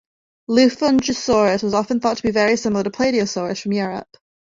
"Lufengosaurus" was often thought to be very similar to "Plateosaurus" from Europe.